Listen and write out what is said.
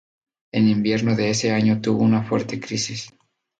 En invierno de ese año tuvo una fuerte crisis.